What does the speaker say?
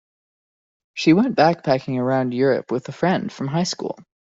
She went backpacking around Europe with a friend from high school.